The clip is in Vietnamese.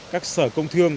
các sở công thương